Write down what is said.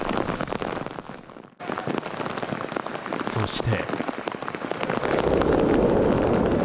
そして。